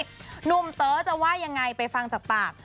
หนุ่มเต๋อจะว่ายังไงไปฟังจากปาก